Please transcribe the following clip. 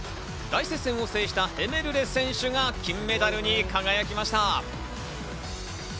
大接戦を制したヘメルレ選手が金メダルに輝きました。